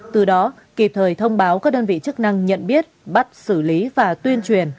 từ đó kịp thời thông báo các đơn vị chức năng nhận biết bắt xử lý và tuyên truyền